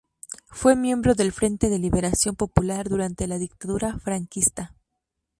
Fue miembro del Frente de Liberación Popular durante la dictadura franquista.